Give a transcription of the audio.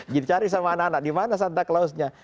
jadi cari sama anak anak di mana santa clausnya